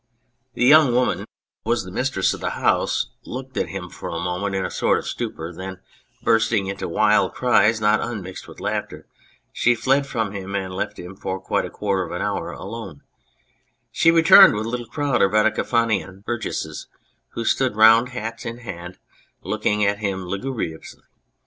The young woman who was the 185 On Anything mistress of the house looked at him for a moment in a sort of stupor, then bursting into wild cries not unmixed with laughter, she fled from him and left him for quite a quarter of an hour alone ; she returned with a little crowd of Radicofanian bur gesses who stood round, hats in hand, looking at him lugubriously.